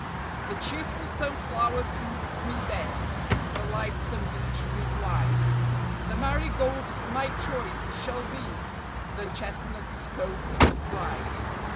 "The cheerful Sunflower suits me best," the lightsome Beech replied; "The Marigold my choice shall be," the Chestnut spoke with pride.